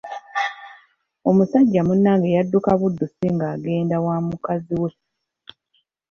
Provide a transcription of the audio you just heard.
Omusajja munnange yadduka buddusi nga agenda wa mukazi we.